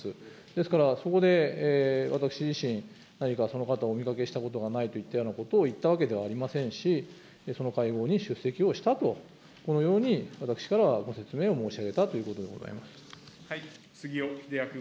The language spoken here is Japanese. ですから、そこで私自身、何かその方を、お見かけしたことがないというようなことを言ったわけではありませんし、その会合に出席をしたと、このように私からはご説明を申し杉尾秀哉君。